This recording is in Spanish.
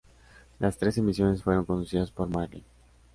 Las tres emisiones fueron conducidas por Marley.